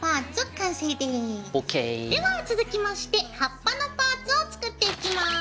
では続きまして葉っぱのパーツを作っていきます。